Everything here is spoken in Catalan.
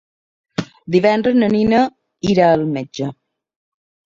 Divendres na Nina irà al metge.